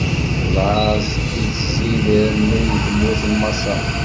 Laẓ ittzid irennu di tmurt n Maṣer.